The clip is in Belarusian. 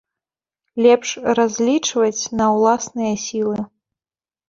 Лепш разлічваць на ўласныя сілы.